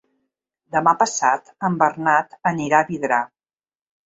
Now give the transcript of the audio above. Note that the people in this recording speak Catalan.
Demà passat en Bernat anirà a Vidrà.